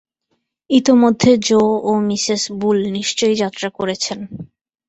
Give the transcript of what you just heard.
ইতোমধ্যে জো ও Mrs Bull নিশ্চয়ই যাত্রা করেছেন।